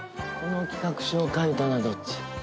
この企画書を書いたのはどっち？